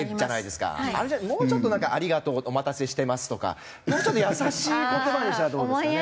もうちょっと「ありがとう」「お待たせしてます」とかもうちょっと優しい言葉にしたらどうですかね。